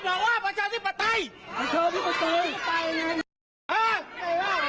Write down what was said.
สมัยไม่เรียกหวังผม